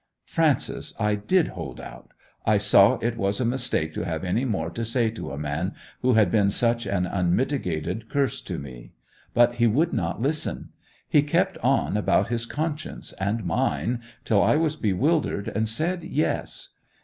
'Frances, I did hold out; I saw it was a mistake to have any more to say to a man who had been such an unmitigated curse to me! But he would not listen; he kept on about his conscience and mine, till I was bewildered, and said Yes!